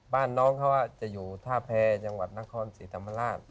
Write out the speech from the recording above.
บ้านน้องเขาจะอยู่ท่าแพรจังหวัดนครศรีธรรมราช